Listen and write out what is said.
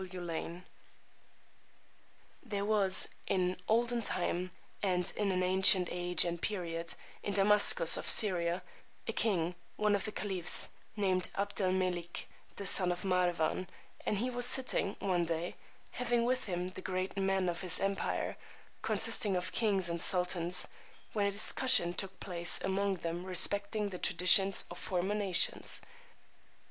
W. Lane There was in olden time, and in an ancient age and period, in Damascus of Syria, a King, one of the Khaleefehs, named Abd El Melik, the son of Marwán; and he was sitting, one day, having with him the great men of his empire, consisting of Kings and Sultans, when a discussion took place among them respecting the traditions of former nations.